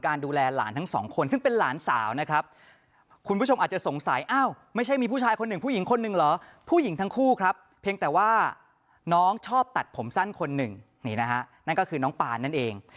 แต่พอทุกวันนี้น้องสองคนอายุ๑๓ขวบแล้วนะครับย่าบอกเลยว่าไอคำว่าปฏิหารที่เคยได้ยินบ่อยเนี่ยเพิ่งจะสัมผัสเป็นครั้งแรกในชีวิตก็เหตุการณ์นี้แหละครับ